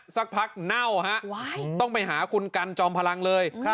สักพักเน่าฮะต้องไปหาคุณกันจอมพลังเลย